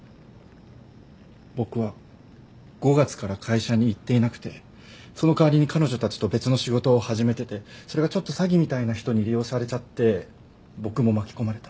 僕は５月から会社に行っていなくてその代わりに彼女たちと別の仕事を始めててそれがちょっと詐欺みたいな人に利用されちゃって僕も巻き込まれた。